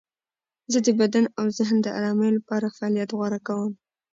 زه د بدن او ذهن د آرامۍ لپاره فعالیت غوره کوم.